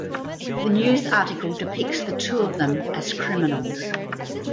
The news article depicts the two of them as criminals.